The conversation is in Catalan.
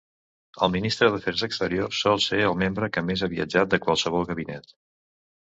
El ministre d'Afers Exteriors sol ser el membre que més ha viatjat de qualsevol gabinet.